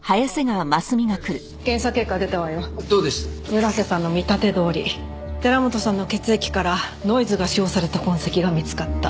村瀬さんの見立てどおり寺本さんの血液からノイズが使用された痕跡が見つかった。